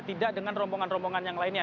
tidak dengan rombongan rombongan yang lainnya